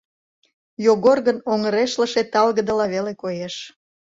Йогор гын оҥырешлыше талгыдыла веле коеш.